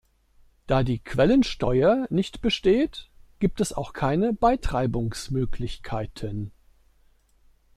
Da die Quellensteuer nicht besteht, gibt es auch keine Beitreibungsmöglichkeiten.